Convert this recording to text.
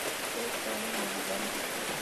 Tres coronas medievales".